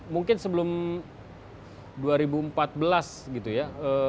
mungkin sebelum dua ribu empat belas gitu ya